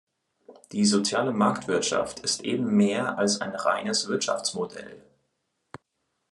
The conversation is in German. Die soziale Marktwirtschaft ist eben mehr als ein reines Wirtschaftsmodell.